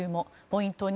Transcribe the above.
ポイント